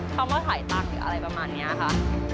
เขามาขายตังค์หรืออะไรประมาณนี้ค่ะ